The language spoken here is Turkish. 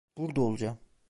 Burada olacağım.